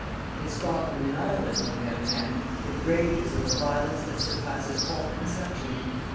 In Scotland and Ireland, on the other hand, it rages with a violence that surpasses all conception.